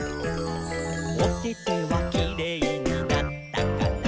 「おててはキレイになったかな？」